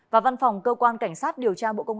và văn phòng cơ quan cảnh sát điều tra bộ công an